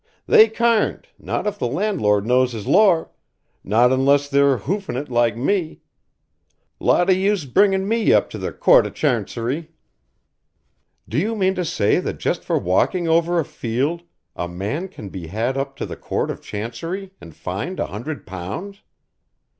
They carnt, not if the Landlord knows his Lor, not unless they're hoofin' it like me. Lot o' use bringin' me up to the Co't o' Charncery." "Do you mean to say that just for walking over a field a man can be had up to the court of Chancery and fined a hundred pounds?"